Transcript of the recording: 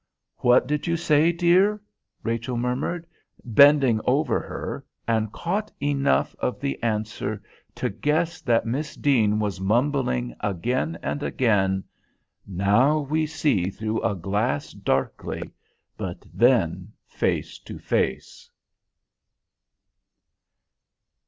"What did you say, dear?" Rachel murmured, bending over her, and caught enough of the answer to guess that Miss Deane was mumbling again and again: "Now we see through a glass darkly, but then face to face."